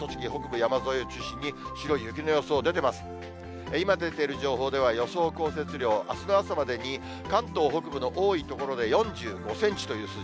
今出ている情報では予想降雪量、あすの朝までに関東北部の多い所で４５センチという数字。